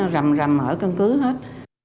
rầm rầm ở căn cứ hết